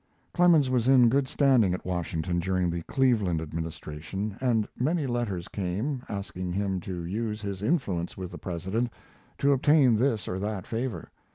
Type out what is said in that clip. Clemens was in good standing at Washington during the Cleveland administration, and many letters came, asking him to use his influence with the President to obtain this or that favor.